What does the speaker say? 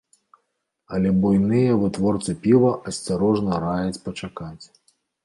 Але буйныя вытворцы піва асцярожна раяць пачакаць.